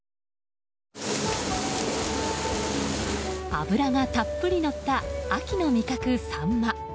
脂がたっぷりのった秋の味覚、サンマ。